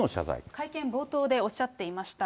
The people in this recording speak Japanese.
会見冒頭でおっしゃっていました。